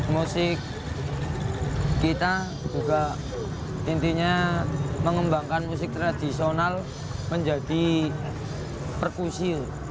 musik kita juga intinya mengembangkan musik tradisional menjadi perkusi